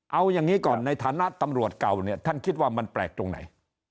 เอาอย่างนี้ก่อนในฐานะตำรวจเก่าเนี่ยท่านคิดว่ามันแปลกตรงไหน